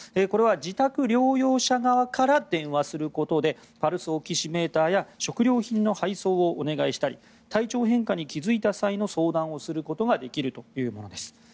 これは自宅療養者側から電話することでパルスオキシメーターや食料品の配送をお願いしたり体調変化に気付いた際の相談をすることができるというものです